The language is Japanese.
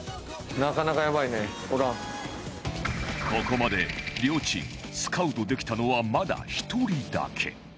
ここまで両チームスカウトできたのはまだ１人だけ